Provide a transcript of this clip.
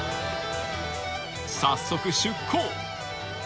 ［早速出航］